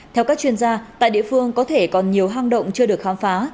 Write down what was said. theo các chuyên gia tại địa phương có thể còn nhiều hang động chưa được khám phá